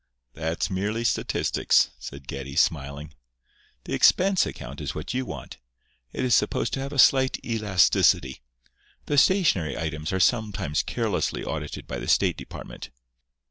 "That's merely statistics," said Geddie, smiling. "The expense account is what you want. It is supposed to have a slight elasticity. The 'stationery' items are sometimes carelessly audited by the State Department."